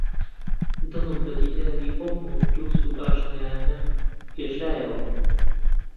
دڵم بە دیداری ئەو هەموو دۆست و ئاشنایانە گەشایەوە